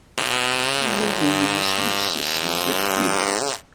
Ulawumi asmusses zdat tidett.